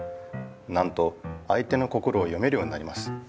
なんとあい手の心を読めるようになります。